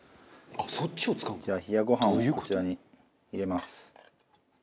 じゃあ冷やご飯をこちらに入れます。